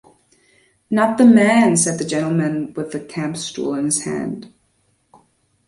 ‘Not the man!’ said the gentleman with the camp-stool in his hand.